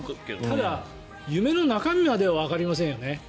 ただ夢の中身まではわかりませんよね。